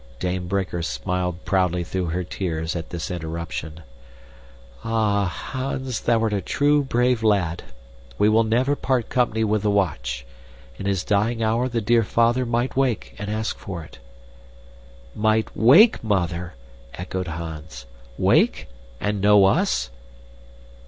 Dame Brinker smiled proudly through her tears at this interruption. "Ah, Hans, thou'rt a true, brave lad. We will never part company with the watch. In his dying hour the dear father might wake and ask for it." "Might WAKE, Mother!" echoed Hans. "Wake and know us?"